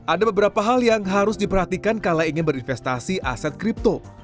ada beberapa hal yang harus diperhatikan kalau ingin berinvestasi aset kripto